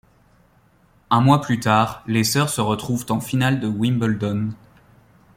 Un mois plus tard, les sœurs se retrouvent en finale de Wimbledon.